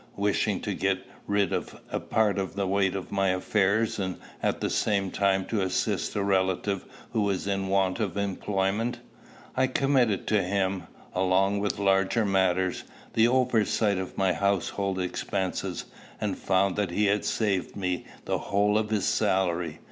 Wishing to get rid of part of the weight of my affairs, and at the same time to assist a relative who was in want of employment, I committed to him, along with larger matters, the oversight of my household expenses, and found that he saved me the whole of his salary.